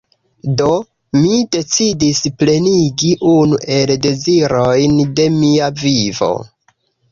Do, mi decidis plenigi unu el dezirojn de mia vivo.